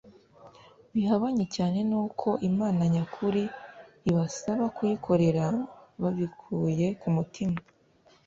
bihabanye cyane nuko Imana nyakuri ibasaba kuyikorera babikuye ku mutima